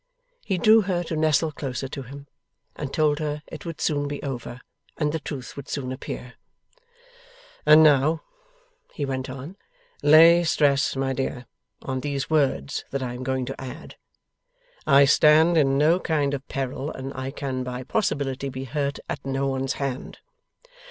He drew her to nestle closer to him, and told her it would soon be over, and the truth would soon appear. 'And now,' he went on, 'lay stress, my dear, on these words that I am going to add. I stand in no kind of peril, and I can by possibility be hurt at no one's hand.